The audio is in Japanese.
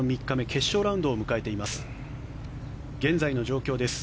決勝ラウンドを迎えています。